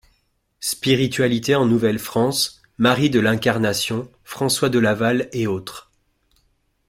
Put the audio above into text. Spiritualité en Nouvelle-France: Marie de l'Incarnation, François de Laval et autres.